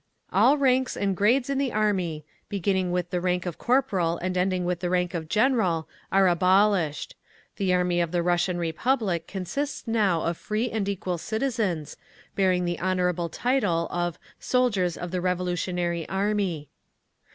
All ranks and grades in the Army, beginning with the rank of Corporal and ending with the rank of General, are abolished. The Army of the Russian Republic consists now of free and equal citizens, bearing the honourable title of Soldiers of the Revolutionary Army.